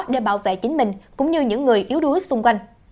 để bảo vệ chính mình cũng như những người yếu đuối xung quanh